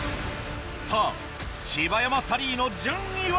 さぁ柴山サリーの順位は？